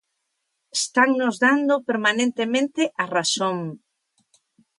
¡Estannos dando permanentemente a razón!